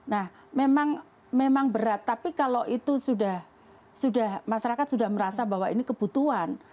nah memang berat tapi kalau itu sudah masyarakat sudah merasa bahwa ini kebutuhan